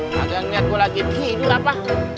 ga ada yang liat gua lagi tidur apa